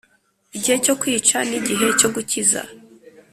Igihe cyo kwica nigihe cyo gukiza